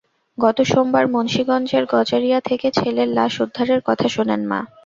গত সোমবার মুন্সিগঞ্জের গজারিয়া থেকে ছেলের লাশ উদ্ধারের কথা শোনেন মা।